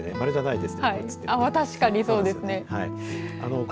確かにそうですね。